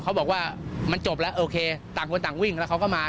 เขาบอกว่ามันจบแล้วโอเคต่างคนต่างวิ่งแล้วเขาก็มา